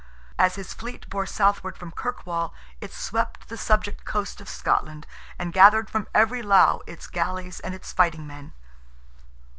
As his fleet bore southward from Kirkwall it swept the subject coast of Scotland, and gathered from every lough its galleys and its fighting men.